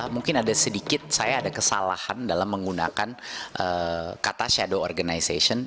mungkin ada sedikit saya ada kesalahan dalam menggunakan kata shadow organization